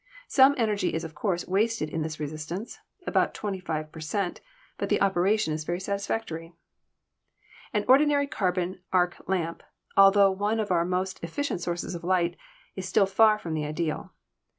Some energy is, of course, wasted in this resistance (about 25 per cent.), but the operation is very satisfactory. The ordinary carbon arc lamp, altho one of our most efficient sources of light, is still far from the ideal.